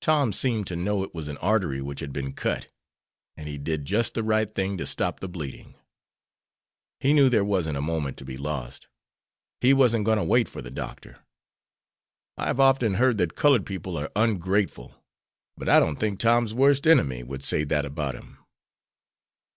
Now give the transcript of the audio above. Tom seemed to know it was an artery which had been cut, and he did just the right thing to stop the bleeding. He knew there wasn't a moment to be lost. He wasn't going to wait for the doctor. I have often heard that colored people are ungrateful, but I don't think Tom's worst enemy would say that about him."